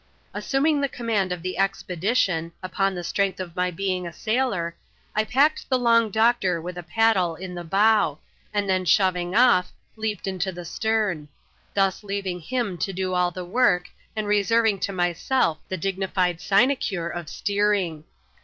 Aasoming the command of the expedition, upon the strength of my being a sailor, I packed the Long Doctor with a paddle in the bow, and then shoving off, leaped into the stem ; thus leaving him to do all the work, and reserving to myself the dignified sinecure of steering.